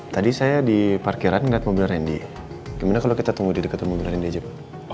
tadi saya di parkiran melihat mobil randy gimana kalau kita tunggu di dekat mobil randi aja pak